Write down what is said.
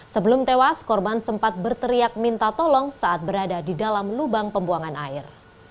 sebelum tewas korban sempat berteriak minta tolong saat berada di dalam lubang pembuangan air